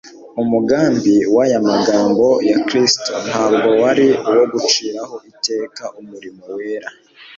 Umugambi w'aya magambo ya Kristo ntabwo wari uwo guciraho iteka umurimo wera,